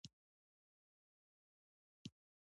موټرګی او وزنه دواړه وزن کړئ.